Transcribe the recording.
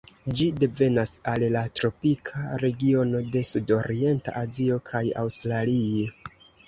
Ĝi devenas el la tropika regiono de Sudorienta Azio kaj Aŭstralio.